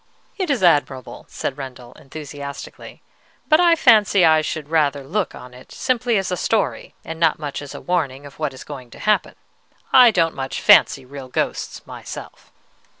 "It is admirable," said Rendel, enthusiastically. "But I fancy I should rather look on it simply as a story, and not as a warning of what is going to happen. I don't much fancy real ghosts myself."